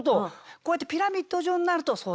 こうやってピラミッド状になるとそうだな